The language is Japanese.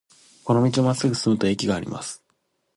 この道をまっすぐ進むと駅があります。